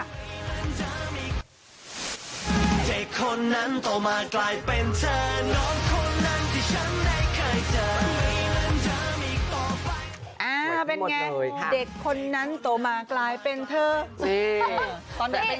อ่าเป็นไงโหเด็กคนนั้นโตมากลายเป็นเธอใช่นี่ตอนเด็ดเป็น